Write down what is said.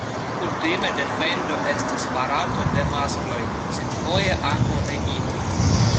Kutime defendo estas farata de maskloj sed foje ankaŭ de inoj.